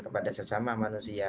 kepada sesama manusia